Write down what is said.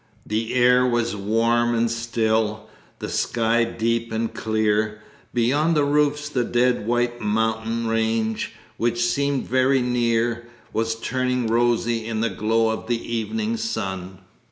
The air was warm and still, the sky deep and clear. Beyond the roofs the dead white mountain range, which seemed very near, was turning rosy in the glow of the evening sun.